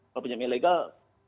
kalau pinjam ilegal